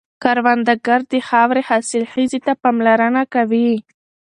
کروندګر د خاورې حاصلخېزي ته پاملرنه کوي